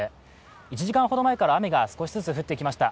１時間ほど前から雨が少しずつ降ってきました。